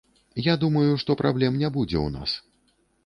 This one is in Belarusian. Я думаю, што праблем не будзе ў нас.